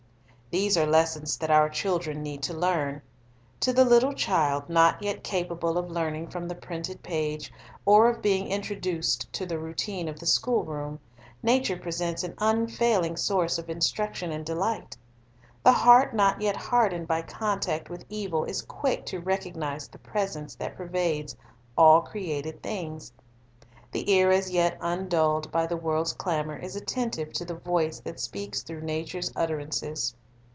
These are lessons that our children need to learn. To the little child, not yet capable of learning from the printed page or of being introduced to the routine of the schoolroom, nature presents an unfailing source of instruction and delight. The heart not yet hardened by contact with evil is quick to recognize the Presence that pervades all created things. The ear as yet undulled by the world's clamor is attentive to the Voice that speaks through nature's utterances.